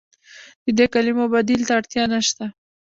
د دې کلمو بدیل ته اړتیا نشته.